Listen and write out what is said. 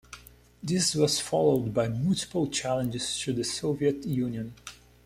This was followed by multiple challenges to the Soviet Union.